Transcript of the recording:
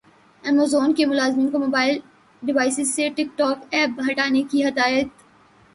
Amazon کی ملازمین کو موبائل ڈیوائسز سے ٹک ٹاک ایپ ہٹانے کی ہدایت